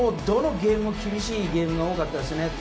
どのゲームも厳しいゲームが多かったですね。